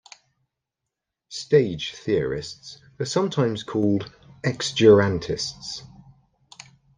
Stage theorists are sometimes called "exdurantists".